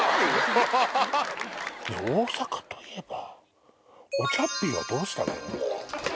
大阪といえばおちゃっぴーはどうしたの？